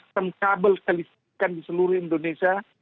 sistem kabel kelistrikan di seluruh indonesia